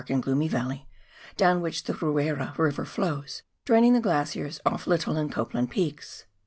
and gloomy valley, down wMcli the Ruera River flows, draining the glaciers off Lyttle and Copland Peaks.